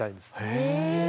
へえ。